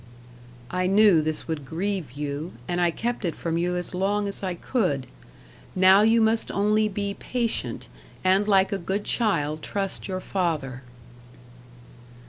"I knew this would grieve you, and I kept it from you as long as I could. Now you must only be patient, and like a good child trust your father."